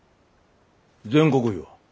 全国比は？